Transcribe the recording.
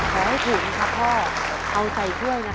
ขอให้ถูกนะครับพ่อเอาใจช่วยนะครับ